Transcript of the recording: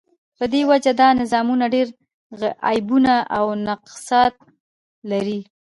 په دی وجه دا نظامونه ډیر عیبونه او نقصانات لری